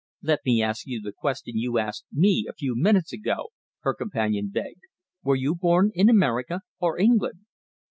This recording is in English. "Let me ask you the question you asked me a few minutes ago," her companion begged. "Were you born in America or England?"